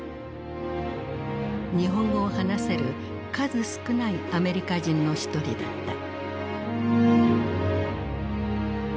日本語を話せる数少ないアメリカ人の一人だった。